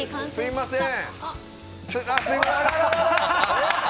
すいません。